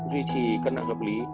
duy trì cân nặng lập lý